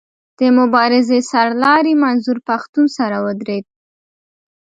د مبارزې د سر لاري منظور پښتون سره ودرېد.